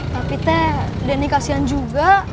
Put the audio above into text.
tapi teh denny kasihan juga